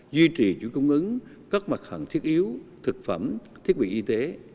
duy trì chủ công ứng các mặt hẳn thiết yếu thực phẩm thiết bị y tế